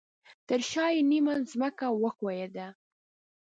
ترشاه یې نیمه ځمکه وښویده